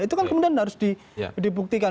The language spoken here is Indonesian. itu kan kemudian harus dibuktikan